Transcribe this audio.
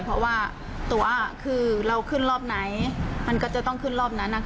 เพราะว่าตัวคือเราขึ้นรอบไหนมันก็จะต้องขึ้นรอบนั้น